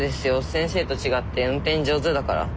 先生と違って運転上手だから。